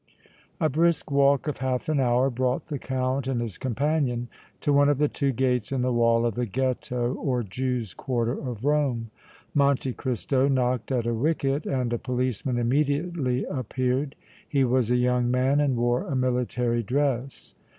A brisk walk of half an hour brought the Count and his companion to one of the two gates in the wall of the Ghetto or Jews' quarter of Rome. Monte Cristo knocked at a wicket and a policeman immediately appeared. He was a young man and wore a military dress.